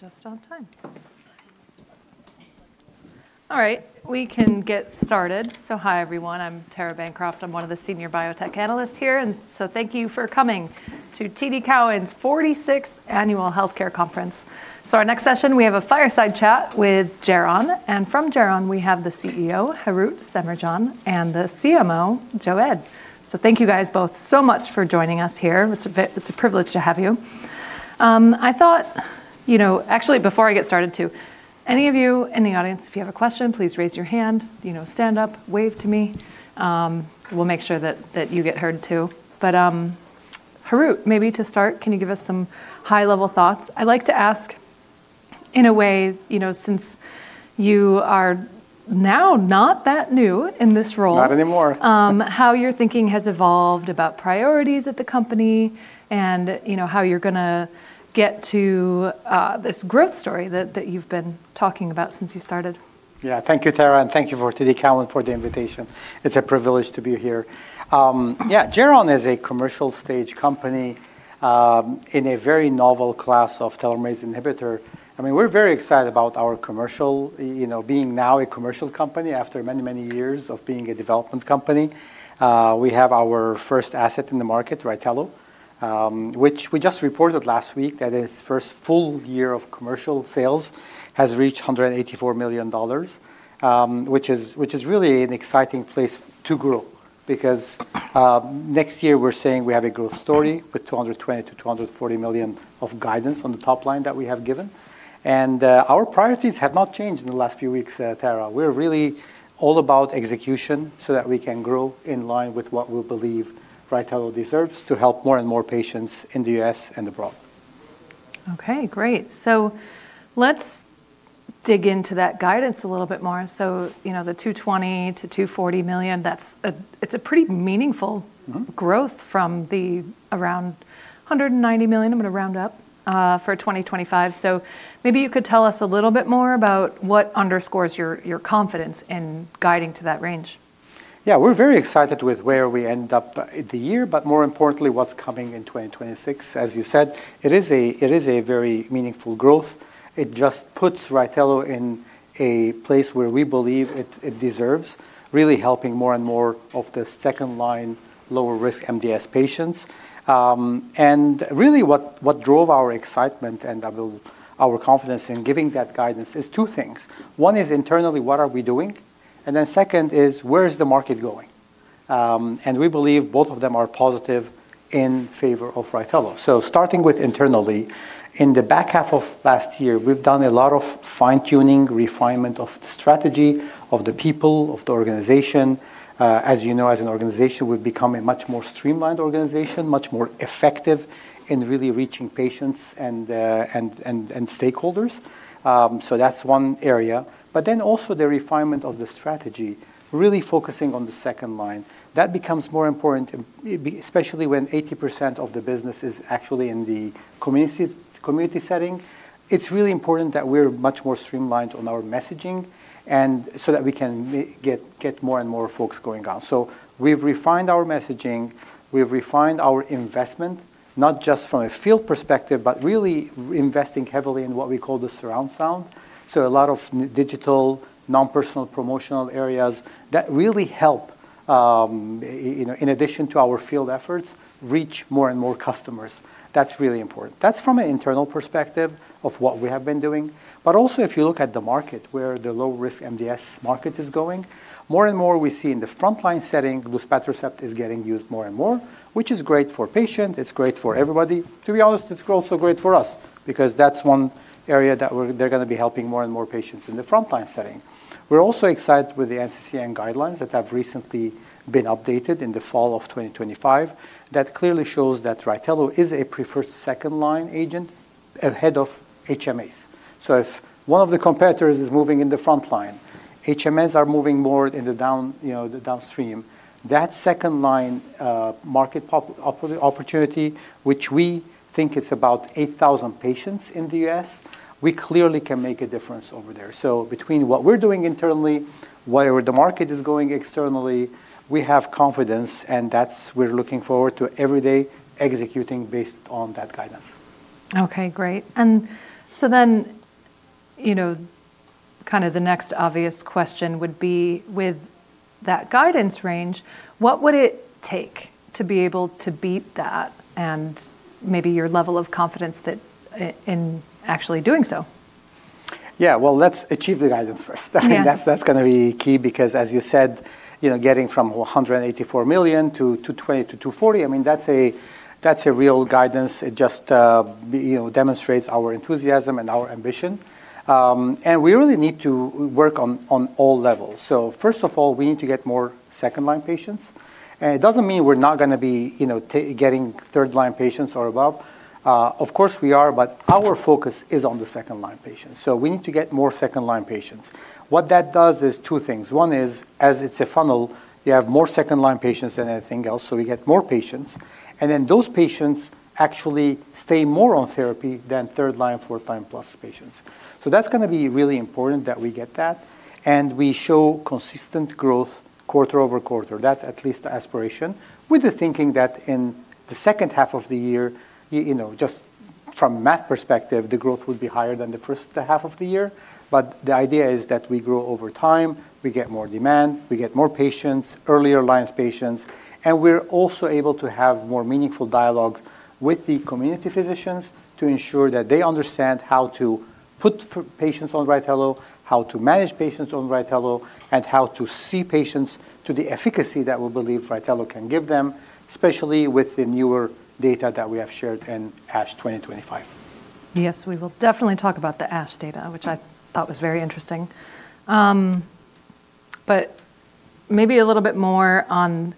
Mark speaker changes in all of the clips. Speaker 1: Just on time. All right, we can get started. Hi, everyone. I'm Tara Bancroft. I'm one of the senior biotech analysts here. Thank you for coming to TD Cowen's 46th Annual Healthcare Conference. Our next session, we have a fireside chat with Geron. From Geron, we have the CEO, Harout Semerjian, and the CMO, Joseph Eid. Thank you guys both so much for joining us here. It's a privilege to have you. I thought, you know... Actually, before I get started too, any of you in the audience, if you have a question, please raise your hand, you know, stand up, wave to me, we'll make sure that you get heard too. Harout, maybe to start, can you give us some high-level thoughts? I like to ask in a way, you know, since you are now not that new in this role.
Speaker 2: Not anymore.
Speaker 1: How your thinking has evolved about priorities at the company and, you know, how you're gonna get to this growth story that you've been talking about since you started.
Speaker 2: Yeah. Thank you, Tara, and thank you for TD Cowen for the invitation. It's a privilege to be here. Yeah, Geron is a commercial stage company in a very novel class of telomerase inhibitor. I mean, we're very excited about our commercial, you know, being now a commercial company after many, many years of being a development company. We have our first asset in the market, RYTELO, which we just reported last week that its first full year of commercial sales has reached $184 million, which is really an exciting place to grow because next year we're saying we have a growth story with $220 million-$240 million of guidance on the top line that we have given. Our priorities have not changed in the last few weeks, Tara. We're really all about execution so that we can grow in line with what we believe RYTELO deserves to help more and more patients in the U.S. and abroad.
Speaker 1: Okay, great. Let's dig into that guidance a little bit more. you know, the $220 million-$240 million, it's a pretty meaningful-
Speaker 2: Mm-hmm
Speaker 1: growth from the around $190 million, I'm gonna round up, for 2025. Maybe you could tell us a little bit more about what underscores your confidence in guiding to that range.
Speaker 2: Yeah, we're very excited with where we end up the year, more importantly, what's coming in 2026. As you said, it is a, it is a very meaningful growth. It just puts RYTELO in a place where we believe it deserves, really helping more and more of the second-line, low-risk MDS patients. Really what drove our excitement and our confidence in giving that guidance is two things. One is internally, what are we doing? Second is, where is the market going? We believe both of them are positive in favor of RYTELO. Starting with internally, in the back half of last year, we've done a lot of fine-tuning, refinement of the strategy, of the people, of the organization. As you know, as an organization, we've become a much more streamlined organization, much more effective in really reaching patients and stakeholders. That's one area. Also the refinement of the strategy, really focusing on the second line. That becomes more important especially when 80% of the business is actually in the community setting. It's really important that we're much more streamlined on our messaging so that we can get more and more folks going on. We've refined our messaging, we've refined our investment, not just from a field perspective, but really investing heavily in what we call the surround sound. A lot of digital, non-personal promotional areas that really help in addition to our field efforts, reach more and more customers. That's really important. That's from an internal perspective of what we have been doing. Also, if you look at the market, where the low-risk MDS market is going, more and more we see in the frontline setting, luspatercept is getting used more and more, which is great for patient, it's great for everybody. To be honest, it's also great for us because that's one area that they're gonna be helping more and more patients in the frontline setting. We're also excited with the NCCN guidelines that have recently been updated in the fall of 2025 that clearly shows that RYTELO is a preferred second-line agent ahead of HMAs. If one of the competitors is moving in the frontline, HMAs are moving more in the down, you know, the downstream. That second line, market opportunity, which we think is about 8,000 patients in the U.S., we clearly can make a difference over there. Between what we're doing internally, where the market is going externally, we have confidence, and that's we're looking forward to every day executing based on that guidance.
Speaker 1: Okay, great. You know, kind of the next obvious question would be, with that guidance range, what would it take to be able to beat that, and maybe your level of confidence that in actually doing so?
Speaker 2: Yeah. Well, let's achieve the guidance first.
Speaker 1: Yeah.
Speaker 2: I mean, that's gonna be key because, as you said, you know, getting from $184 million to $220 million-$240 million, I mean, that's a, that's a real guidance. It just, you know, demonstrates our enthusiasm and our ambition. We really need to work on all levels. First of all, we need to get more second-line patients. It doesn't mean we're not gonna be, you know, getting third-line patients or above. Of course we are, but our focus is on the second-line patients. We need to get more second-line patients. What that does is two things. One is, as it's a funnel, you have more second-line patients than anything else, so we get more patients. Those patients actually stay more on therapy than third-line, fourth-line plus patients. That's gonna be really important that we get that. And we show consistent growth quarter-over-quarter. That's at least the aspiration, with the thinking that in the second half of the year, you know, just from math perspective, the growth would be higher than the first half of the year. The idea is that we grow over time, we get more demand, we get more patients, earlier alliance patients. We're also able to have more meaningful dialogues with the community physicians to ensure that they understand how to put patients on RYTELO, how to manage patients on RYTELO, and how to see patients to the efficacy that we believe RYTELO can give them, especially with the newer data that we have shared in ASH 2025.
Speaker 1: Yes, we will definitely talk about the ASH data, which I thought was very interesting. Maybe a little bit more on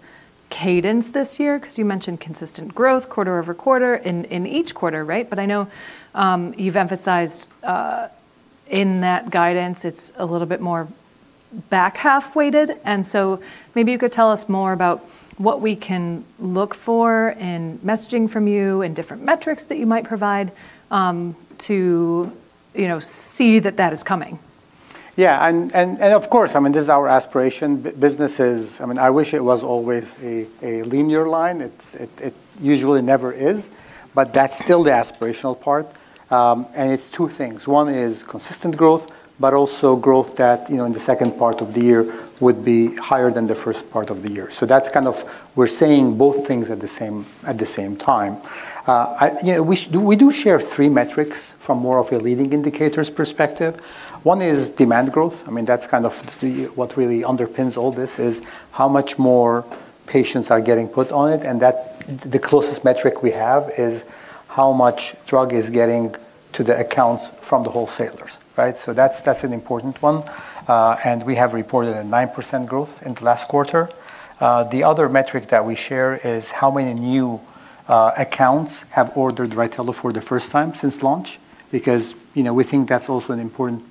Speaker 1: cadence this year, because you mentioned consistent growth quarter over quarter in each quarter, right? I know you've emphasized in that guidance, it's a little bit more back half weighted. Maybe you could tell us more about what we can look for in messaging from you and different metrics that you might provide, to, you know, see that that is coming.
Speaker 2: Of course, I mean, this is our aspiration. Business is... I mean, I wish it was always a linear line. It usually never is, but that's still the aspirational part. It's two things. One is consistent growth, but also growth that, you know, in the second part of the year would be higher than the first part of the year. That's kind of we're saying both things at the same time. You know, we do share three metrics from more of a leading indicators perspective. One is demand growth. I mean, what really underpins all this is how much more patients are getting put on it, and that the closest metric we have is how much drug is getting to the accounts from the wholesalers, right? That's, that's an important one. We have reported a 9% growth in the last quarter. The other metric that we share is how many new accounts have ordered RYTELO for the first time since launch, because, you know, we think that's also an important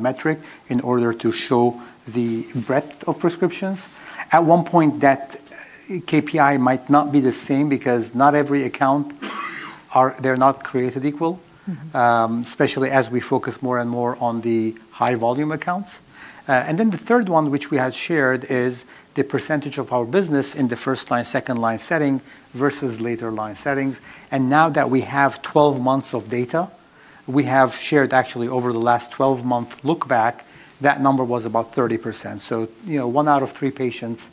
Speaker 2: metric in order to show the breadth of prescriptions. At one point, that KPI might not be the same because not every account they're not created equal.
Speaker 1: Mm-hmm
Speaker 2: Especially as we focus more and more on the high volume accounts. Then the third one, which we had shared, is the percentage of our business in the first line, second line setting versus later line settings. Now that we have 12 months of data, we have shared actually over the last 12-month look back, that number was about 30%. You know, one out of three patients,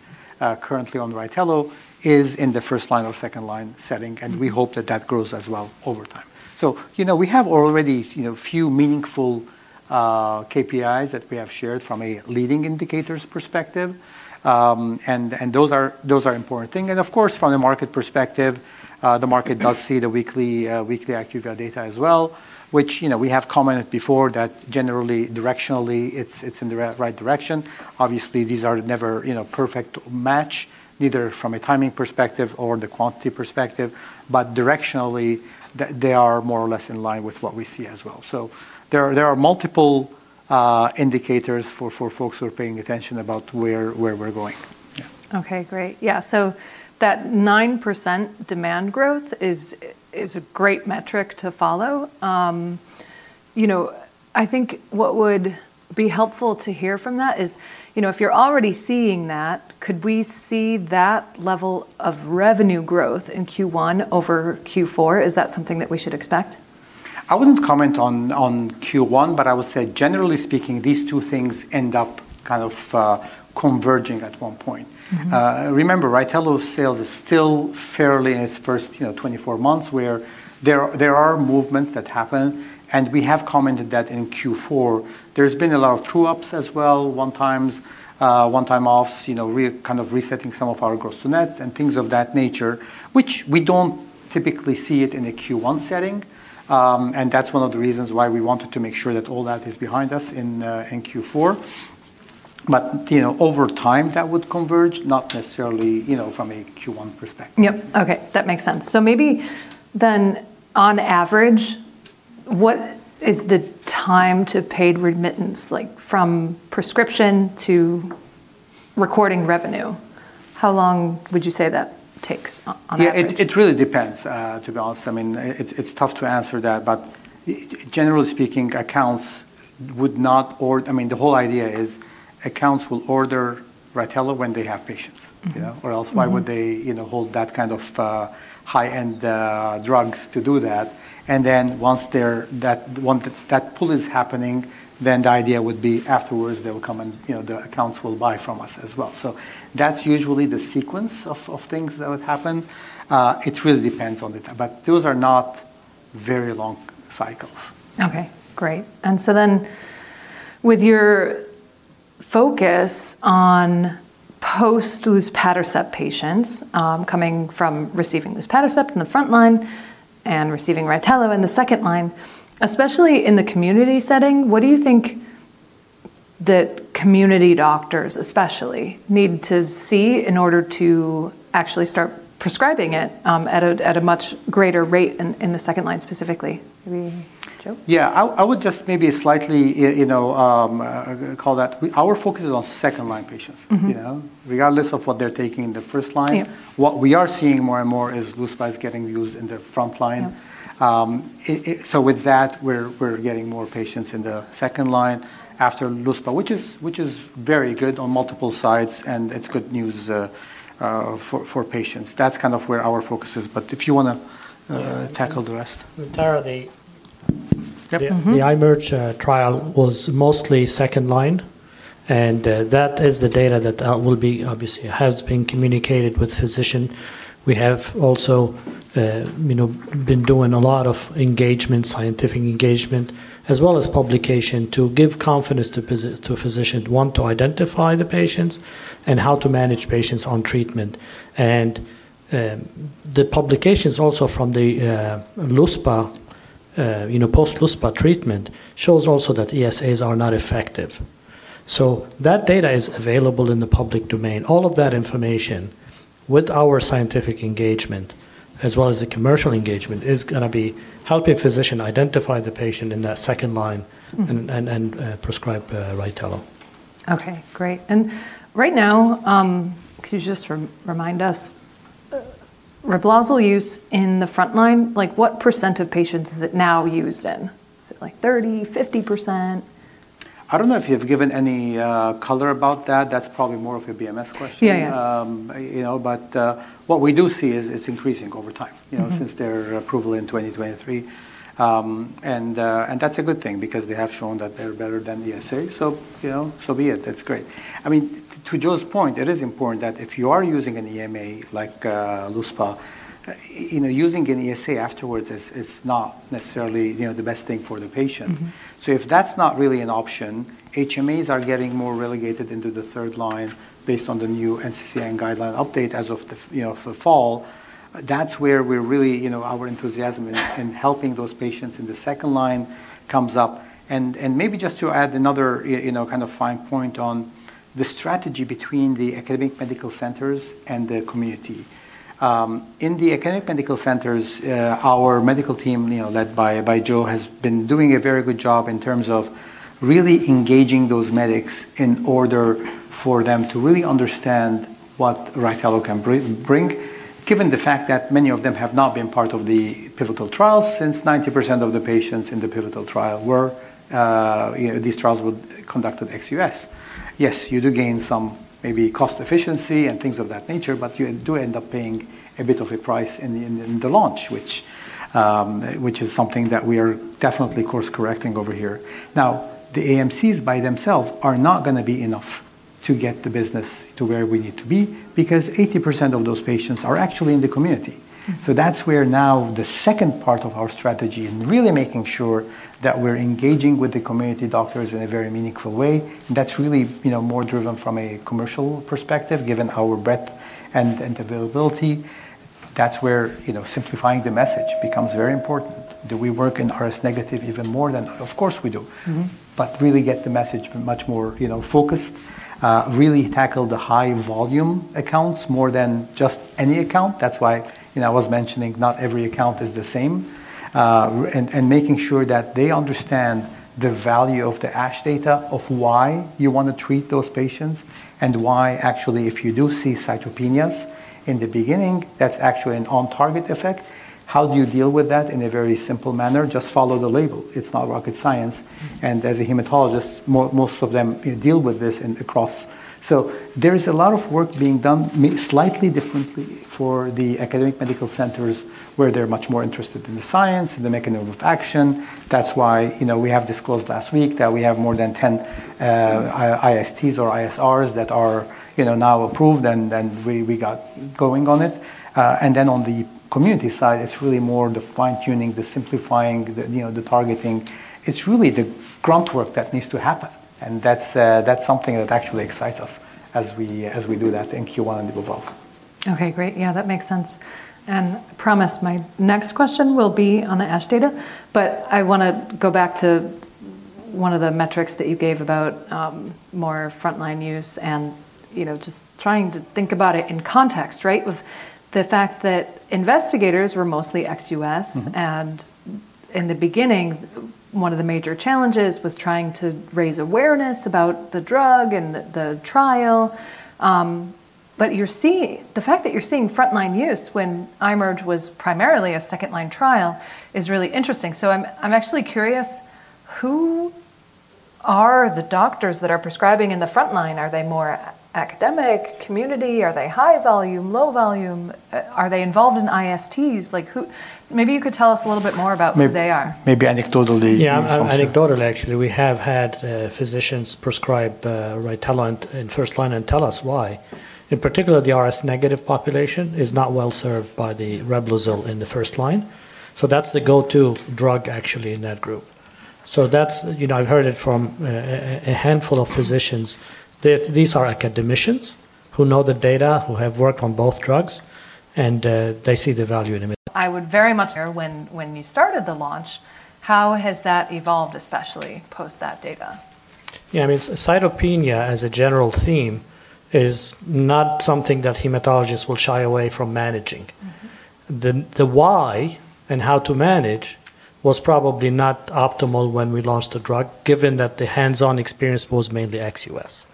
Speaker 2: currently on RYTELO is in the first line or second line setting, and we hope that that grows as well over time. You know, we have already, you know, few meaningful KPIs that we have shared from a leading indicators perspective. And those are important thing. Of course, from the market perspective, the market does see the weekly IQVIA as well, which, you know, we have commented before that generally, directionally, it's in the right direction. Obviously, these are never, you know, perfect match, either from a timing perspective or the quantity perspective. Directionally, they are more or less in line with what we see as well. There, there are multiple indicators for folks who are paying attention about where we're going. Yeah.
Speaker 1: Okay, great. Yeah. That 9% demand growth is a great metric to follow. You know, I think what would be helpful to hear from that is, you know, if you're already seeing that, could we see that level of revenue growth in Q1 over Q4? Is that something that we should expect?
Speaker 2: I wouldn't comment on Q1, but I would say, generally speaking, these two things end up kind of converging at one point.
Speaker 1: Mm-hmm.
Speaker 2: Remember, RYTELO sales is still fairly in its first, you know, 24 months, where there are movements that happen, and we have commented that in Q4. There's been a lot of true ups as well, one times, one-time offs, you know, kind of resetting some of our gross to net and things of that nature, which we don't typically see it in a Q1 setting. That's one of the reasons why we wanted to make sure that all that is behind us in Q4. You know, over time, that would converge, not necessarily, you know, from a Q1 perspective.
Speaker 1: Yep. Okay, that makes sense. Maybe then on average, what is the time to paid remittance, like from prescription to recording revenue? How long would you say that takes on average?
Speaker 2: Yeah, it really depends, to be honest. I mean, it's tough to answer that. Generally speaking, accounts would not I mean, the whole idea is accounts will order RYTELO when they have patients.
Speaker 1: Mm-hmm.
Speaker 2: You know? else-
Speaker 1: Mm-hmm...
Speaker 2: why would they, you know, hold that kind of, high-end, drugs to do that? Once they're, once that pull is happening, then the idea would be afterwards they will come and, you know, the accounts will buy from us as well. That's usually the sequence of things that would happen. It really depends on the time, but those are not very long cycles.
Speaker 1: Okay, great. With your focus on post luspatercept patients, coming from receiving luspatercept in the front line and receiving RYTELO in the second line, especially in the community setting, what do you think that community doctors especially need to see in order to actually start prescribing it, at a much greater rate in the second line specifically? Maybe
Speaker 2: Yeah, I would just maybe slightly, you know, call that our focus is on second-line patients.
Speaker 1: Mm-hmm.
Speaker 2: You know, regardless of what they're taking in the first line.
Speaker 1: Yeah.
Speaker 2: What we are seeing more and more is luspatercept is getting used in the front line.
Speaker 1: Yeah.
Speaker 2: so with that, we're getting more patients in the second line after luspatercept, which is very good on multiple sides, and it's good news, for patients. That's kind of where our focus is. If you wanna, tackle the rest.
Speaker 3: Tara,
Speaker 2: Yep.
Speaker 1: Mm-hmm.
Speaker 3: The IMerge trial was mostly second line, and that is the data that will be obviously has been communicated with physician. We have also, you know, been doing a lot of engagement, scientific engagement, as well as publication to give confidence to physician, one, to identify the patients and how to manage patients on treatment. The publications also from the luspatercept, you know, post-luspatercept treatment shows also that ESAs are not effective. That data is available in the public domain. All of that information with our scientific engagement as well as the commercial engagement is gonna be helping physician identify the patient in that second line.
Speaker 1: Mm-hmm.
Speaker 3: Prescribe RYTELO.
Speaker 1: Okay, great. Right now, could you just remind us REBLOZYL use in the frontline, like what % of patients is it now used in? Is it like 30%, 50%?
Speaker 2: I don't know if you've given any color about that. That's probably more of a BMS question.
Speaker 1: Yeah, yeah.
Speaker 2: You know, but, what we do see is it's increasing over time.
Speaker 1: Mm-hmm.
Speaker 2: You know, since their approval in 2023. That's a good thing because they have shown that they're better than the ESA. You know, so be it. That's great. I mean, to Joe's point, it is important that if you are using an EMA like luspatercept, you know, using an ESA afterwards is not necessarily, you know, the best thing for the patient.
Speaker 1: Mm-hmm.
Speaker 2: If that's not really an option, HMAs are getting more relegated into the third line based on the new NCCN guideline update as of the you know, for fall. That's where we're really, you know, our enthusiasm in helping those patients in the second line comes up. Maybe just to add another you know, kind of fine point on the strategy between the academic medical centers and the community. In the academic medical centers, our medical team, you know, led by Joe, has been doing a very good job in terms of really engaging those medics in order for them to really understand what RYTELO can bring, given the fact that many of them have not been part of the pivotal trials since 90% of the patients in the pivotal trial were, you know, these trials were conducted ex US. Yes, you do gain some maybe cost efficiency and things of that nature, but you do end up paying a bit of a price in the, in the launch, which is something that we are definitely course correcting over here. The AMCs by themselves are not gonna be enough to get the business to where we need to be because 80% of those patients are actually in the community.
Speaker 1: Mm-hmm.
Speaker 2: That's where now the second part of our strategy in really making sure that we're engaging with the community doctors in a very meaningful way, and that's really, you know, more driven from a commercial perspective, given our breadth and availability. That's where, you know, simplifying the message becomes very important. Do we work in RS-negative even more than-- Of course, we do.
Speaker 1: Mm-hmm.
Speaker 2: Really get the message much more, you know, focused, really tackle the high volume accounts more than just any account. That's why, you know, I was mentioning not every account is the same. And making sure that they understand the value of the ASH data of why you wanna treat those patients and why actually if you do see cytopenias in the beginning, that's actually an on target effect. How do you deal with that in a very simple manner? Just follow the label. It's not rocket science.
Speaker 1: Mm-hmm.
Speaker 2: As a hematologist, most of them deal with this across. There is a lot of work being done slightly differently for the Academic Medical Centers, where they're much more interested in the science and the mechanism of action. That's why, you know, we have disclosed last week that we have more than 10 ISTs or ISRs that are, you know, now approved, and then we got going on it. On the community side, it's really more the fine-tuning, the simplifying, the, you know, the targeting. It's really the groundwork that needs to happen. That's, that's something that actually excites us as we do that in Q1 and move on.
Speaker 1: Okay, great. Yeah, that makes sense. I promise my next question will be on the ASH data, but I wanna go back to one of the metrics that you gave about more frontline use and, you know, just trying to think about it in context, right? With the fact that investigators were mostly ex U.S.-
Speaker 2: Mm-hmm.
Speaker 1: In the beginning, one of the major challenges was trying to raise awareness about the drug and the trial. You're seeing the fact that you're seeing frontline use when IMerge was primarily a second-line trial is really interesting. I'm actually curious, who are the doctors that are prescribing in the frontline? Are they more academic, community? Are they high volume, low volume? Are they involved in ISTs? Like who? Maybe you could tell us a little bit more about who they are.
Speaker 2: Maybe anecdotally.
Speaker 3: Yeah.
Speaker 2: Maybe it's also- Anecdotally, actually, we have had physicians prescribe RYTELO in first line and tell us why. In particular, the RS-negative population is not well served by the REBLOZYL in the first line. That's the go-to drug actually in that group. You know, I've heard it from a handful of physicians. These are academicians who know the data, who have worked on both drugs, and they see the value in it.
Speaker 1: When you started the launch, how has that evolved, especially post that data? I mean, cytopenia as a general theme is not something that hematologists will shy away from managing. Mm-hmm.
Speaker 2: The why and how to manage was probably not optimal when we launched the drug, given that the hands-on experience was mainly ex-U.S.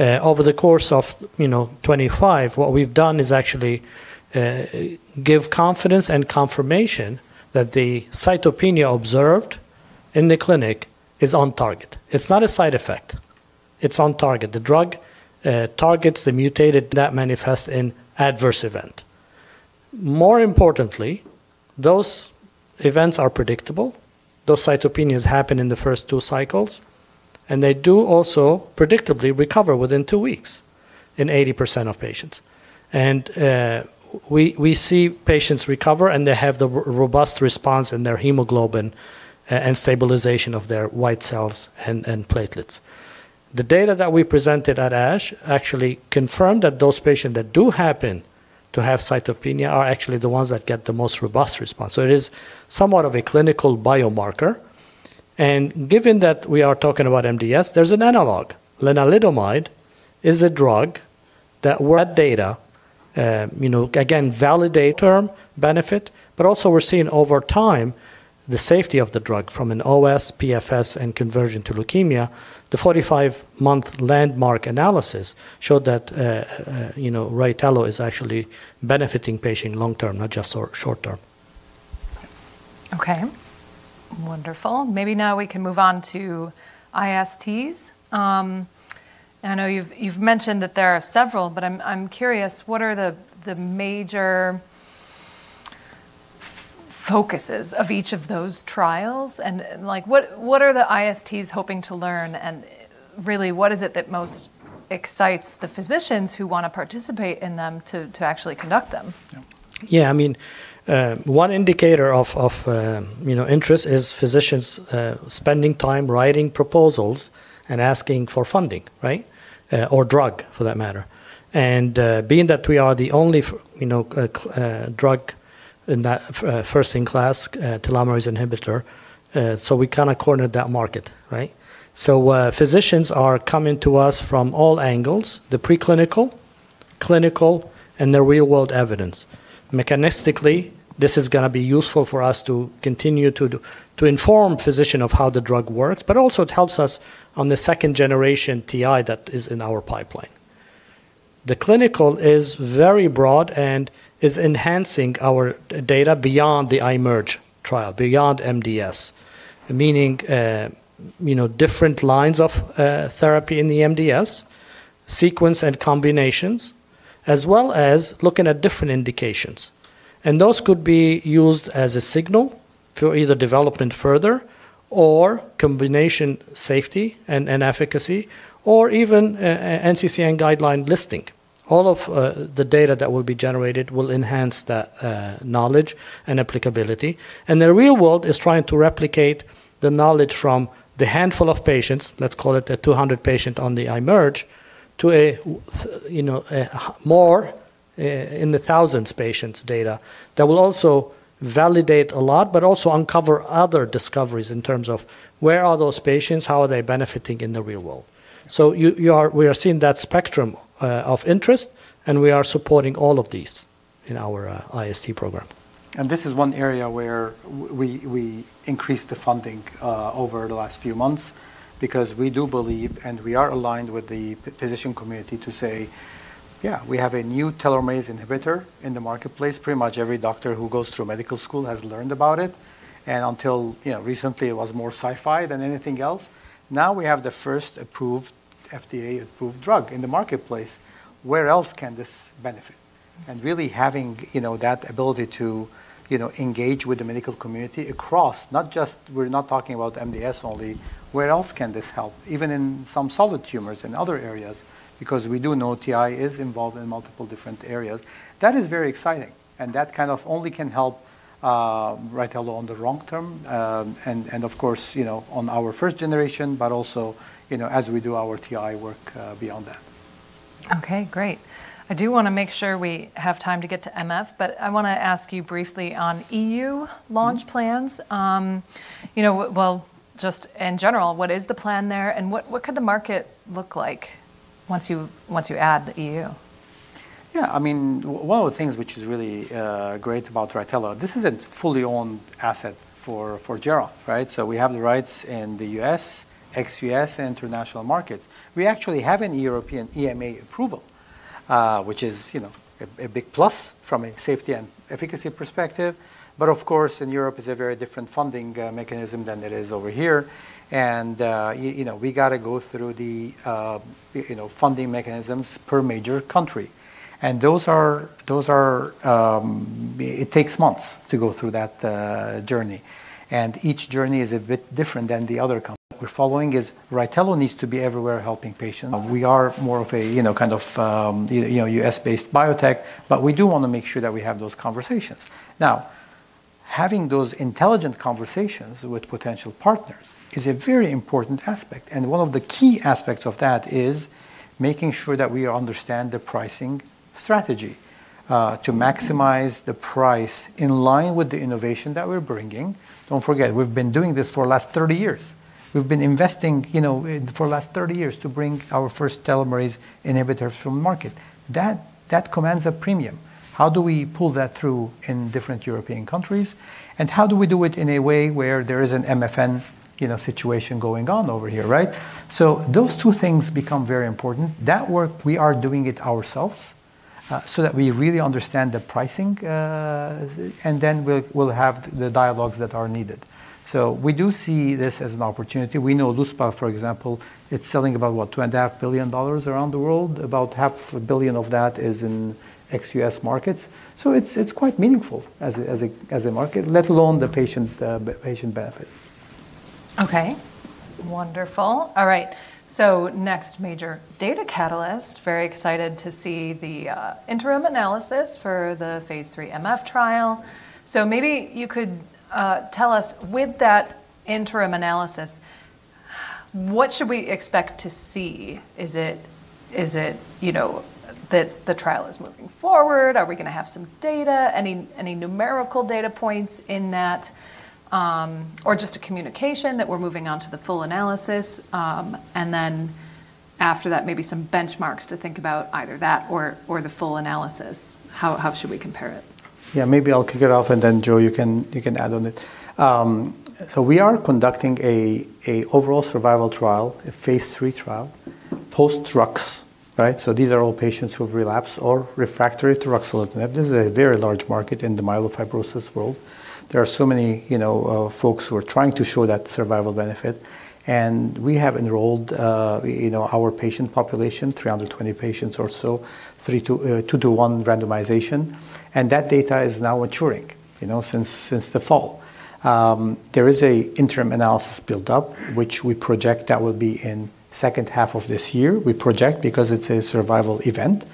Speaker 2: Over the course of, you know, 25, what we've done is actually give confidence and confirmation that the cytopenia observed in the clinic is on target. It's not a side effect. It's on target. The drug targets the mutated that manifest in adverse event. More importantly, those events are predictable. Those cytopenias happen in the first two cycles, and they do also predictably recover within two weeks in 80% of patients. We see patients recover, and they have the robust response in their hemoglobin and stabilization of their white cells and platelets. The data that we presented at ASH actually confirmed that those patients that do happen to have cytopenia are actually the ones that get the most robust response. It is somewhat of a clinical biomarker. Given that we are talking about MDS, there's an analog. Lenalidomide is a drug that data, you know, again, validate term benefit, but also we're seeing over time the safety of the drug from an OS, PFS, and conversion to leukemia. The 45-month landmark analysis showed that, you know, RYTELO is actually benefiting patient long-term, not just short-term.
Speaker 1: Okay. Wonderful. Maybe now we can move on to ISTs. I know you've mentioned that there are several, but I'm curious, what are the major focuses of each of those trials? Like what are the ISTs hoping to learn? Really, what is it that most excites the physicians who wanna participate in them to actually conduct them?
Speaker 2: Yeah. I mean, one indicator of, you know, interest is physicians spending time writing proposals and asking for funding, right? Drug for that matter. Being that we are the only you know drug in that 1st in class telomerase inhibitor, we kinda cornered that market, right? Physicians are coming to us from all angles, the preclinical, clinical, and the real-world evidence. Mechanistically, this is gonna be useful for us to continue to inform physician of how the drug works, also it helps us on the second generation TI that is in our pipeline. The clinical is very broad and is enhancing our data beyond the IMerge trial, beyond MDS. Meaning, you know, different lines of therapy in the MDS, sequence and combinations, as well as looking at different indications. Those could be used as a signal for either development further or combination safety and efficacy or even a NCCN guideline listing. All of the data that will be generated will enhance the knowledge and applicability. The real world is trying to replicate the knowledge from the handful of patients, let's call it the 200 patient on the IMerge, to you know, more in the thousands patients data that will also validate a lot, but also uncover other discoveries in terms of where are those patients, how are they benefiting in the real world. We are seeing that spectrum of interest, and we are supporting all of these in our IST program. This is one area where we increased the funding over the last few months because we do believe, and we are aligned with the physician community to say, "Yeah, we have a new telomerase inhibitor in the marketplace." Pretty much every doctor who goes through medical school has learned about it. Until, you know, recently, it was more sci-fi than anything else. Now we have the first approved, FDA-approved drug in the marketplace. Where else can this benefit? Really having, you know, that ability to, you know, engage with the medical community across, not just we're not talking about MDS only, where else can this help? Even in some solid tumors in other areas, because we do know TI is involved in multiple different areas. That is very exciting, and that kind of only can help, RYTELO on the long term, and of course, you know, on our first generation, but also, you know, as we do our TI work, beyond that.
Speaker 1: Okay, great. I do wanna make sure we have time to get to MF, but I wanna ask you briefly on EU launch plans. You know, well, just in general, what is the plan there, and what could the market look like once you add the EU?
Speaker 2: I mean, one of the things which is really great about RYTELO, this is a fully owned asset for Geron, right? We have the rights in the U.S., ex-U.S., and international markets. We actually have an European EMA approval, which is, you know, a big plus from a safety and efficacy perspective. Of course, in Europe is a very different funding mechanism than it is over here. You know, we gotta go through the, you know, funding mechanisms per major country. Those are, it takes months to go through that journey. Each journey is a bit different than the other country. We're following is RYTELO needs to be everywhere helping patients. We are more of a, you know, kind of, you know, U.S. based biotech, but we do wanna make sure that we have those conversations. Having those intelligent conversations with potential partners is a very important aspect. One of the key aspects of that is making sure that we understand the pricing strategy to maximize the price in line with the innovation that we're bringing. Don't forget, we've been doing this for the last 30 years. We've been investing, you know, for the last 30 years to bring our first telomerase inhibitors to market. That commands a premium. How do we pull that through in different European countries? How do we do it in a way where there is an MFN, you know, situation going on over here, right? Those two things become very important. That work, we are doing it ourselves, so that we really understand the pricing, and then we'll have the dialogues that are needed. We do see this as an opportunity. We know luspatercept, for example, it's selling about, what? Two and a half billion dollars around the world. About half a billion dollars of that is in ex-U.S. markets. It's quite meaningful as a market, let alone the patient benefit.
Speaker 1: Okay. Wonderful. All right. Next major data catalyst. Very excited to see the interim analysis for the phase III MF trial. Maybe you could tell us with that interim analysis, what should we expect to see? Is it, you know, that the trial is moving forward? Are we gonna have some data? Any numerical data points in that? Or just a communication that we're moving on to the full analysis, and then after that, maybe some benchmarks to think about either that or the full analysis. How should we compare it?
Speaker 2: Yeah, maybe I'll kick it off and then, Joe, you can, you can add on it. We are conducting a overall survival trial, a phase III trial, post-Rux, right? These are all patients who have relapsed or refractory to ruxolitinib. This is a very large market in the myelofibrosis world. There are so many, you know, folks who are trying to show that survival benefit. We have enrolled, you know, our patient population, 320 patients or so, two to one randomization. That data is now maturing, you know, since the fall. There is a interim analysis built up, which we project that will be in second half of this year. We project because it's a survival event.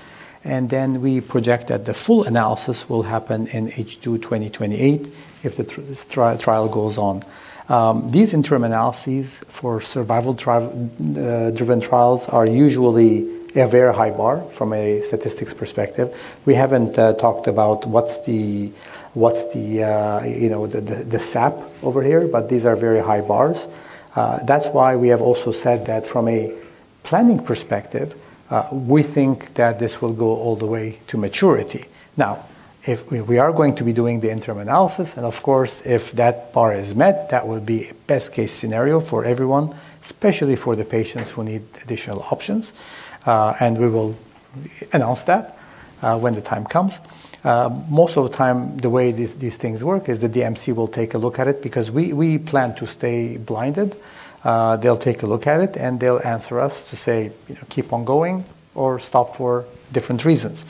Speaker 2: We project that the full analysis will happen in H2 2028 if the trial goes on. These interim analyses for survival driven trials are usually a very high bar from a statistics perspective. We haven't talked about what's the, you know, the SAP over here, but these are very high bars. That's why we have also said that from a planning perspective, we think that this will go all the way to maturity. Now, if we are going to be doing the interim analysis, and of course, if that bar is met, that would be best case scenario for everyone, especially for the patients who need additional options. We will announce that when the time comes. Most of the time, the way these things work is the DMC will take a look at it because we plan to stay blinded. They'll take a look at it, and they'll answer us to say, you know, "Keep on going," or stop for different reasons.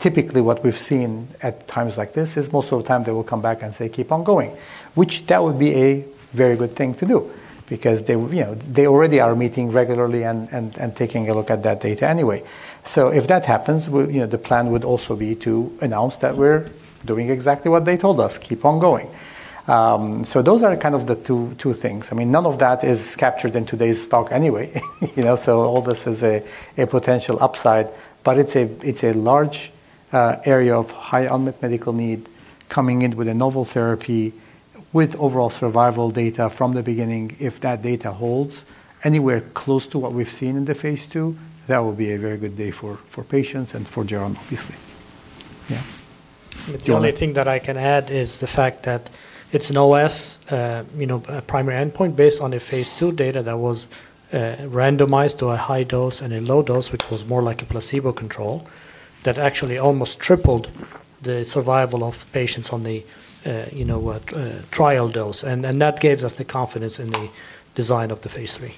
Speaker 2: Typically what we've seen at times like this is most of the time they will come back and say, "Keep on going," which that would be a very good thing to do because they, you know, they already are meeting regularly and taking a look at that data anyway. If that happens, you know, the plan would also be to announce that we're doing exactly what they told us, keep on going. Those are kind of the two things. I mean, none of that is captured in today's talk anyway, you know. All this is a potential upside, but it's a large area of high unmet medical need coming in with a novel therapy with overall survival data from the beginning. If that data holds anywhere close to what we've seen in the phase II, that would be a very good day for patients and for Geron obviously. Yeah.
Speaker 3: The only thing that I can add is the fact that it's an OS, you know, a primary endpoint based on a phase II data that was randomized to a high dose and a low dose, which was more like a placebo control, that actually almost tripled the survival of patients on the, you know, trial dose. That gives us the confidence in the design of the phase III.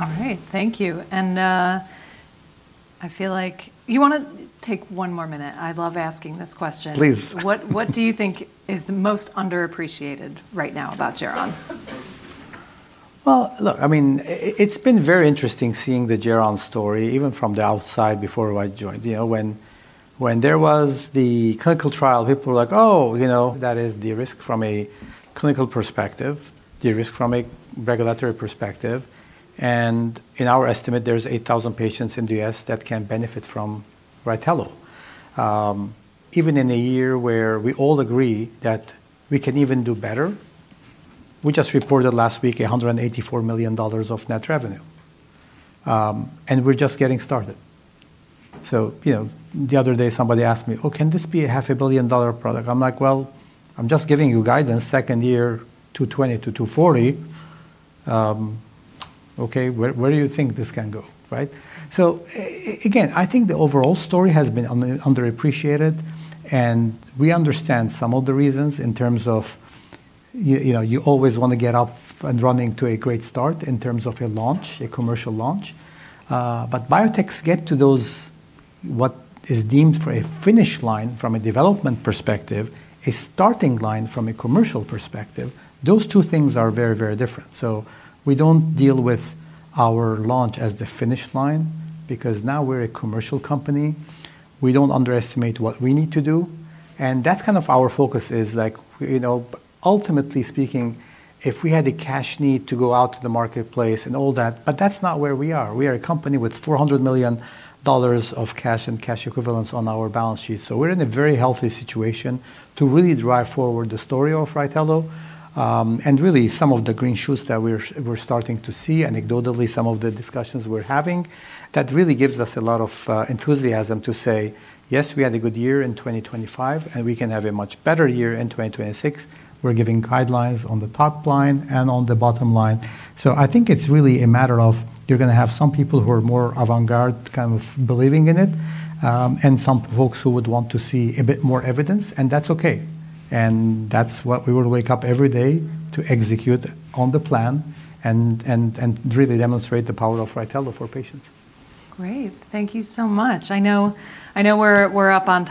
Speaker 1: All right. Thank you. I feel like... You wanna take one more minute? I love asking this question.
Speaker 2: Please.
Speaker 1: What do you think is the most underappreciated right now about Geron?
Speaker 2: Well, look, I mean, it's been very interesting seeing the Geron story, even from the outside before I joined. You know, when there was the clinical trial, people were like, "Oh, you know, that is the risk from a clinical perspective, the risk from a regulatory perspective." In our estimate, there's 8,000 patients in the U.S. that can benefit from RYTELO. Even in a year where we all agree that we can even do better, we just reported last week $184 million of net revenue. We're just getting started. You know, the other day somebody asked me, "Oh, can this be a half a billion-dollar product?" I'm like, "Well, I'm just giving you guidance, second year, $220 million-$240 million. Okay, where do you think this can go, right? Again, I think the overall story has been underappreciated, and we understand some of the reasons in terms of you know, you always wanna get up and running to a great start in terms of a launch, a commercial launch. Biotechs get to those what is deemed for a finish line from a development perspective, a starting line from a commercial perspective. Those two things are very, very different. We don't deal with our launch as the finish line because now we're a commercial company. We don't underestimate what we need to do. That's kind of our focus is like, you know, ultimately speaking, if we had a cash need to go out to the marketplace and all that, but that's not where we are. We are a company with $400 million of cash and cash equivalents on our balance sheet. We're in a very healthy situation to really drive forward the story of RYTELO. Really some of the green shoots that we're starting to see, anecdotally some of the discussions we're having, that really gives us a lot of enthusiasm to say, "Yes, we had a good year in 2025, and we can have a much better year in 2026." We're giving guidelines on the top line and on the bottom line. I think it's really a matter of you're gonna have some people who are more avant-garde kind of believing in it, and some folks who would want to see a bit more evidence, and that's okay. that's what we will wake up every day to execute on the plan and really demonstrate the power of RYTELO for patients.
Speaker 1: Great. Thank you so much. I know we're up on time.